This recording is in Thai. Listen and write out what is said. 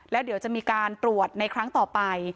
แล้วเดี๋ยวจะมีการตรวจในครั้งต่อไป